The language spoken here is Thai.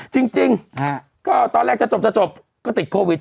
จริงก็ตอนแรกจะจบจะจบก็ติดโควิด